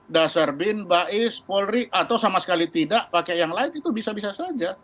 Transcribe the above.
dasar bin bais polri atau sama sekali tidak pakai yang lain itu bisa bisa saja